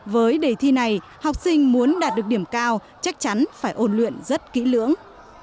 với đề thi này học sinh muốn đạt được điểm cao chắc chắn phải ôn luyện rất kỹ lưỡng